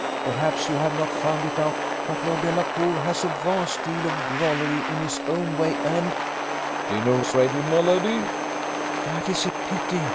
Perhaps you have not found it out, but Lord Delacour has a vast deal of drollery in his own way, and " "Dinner's ready, my lady!" "That is a pity!"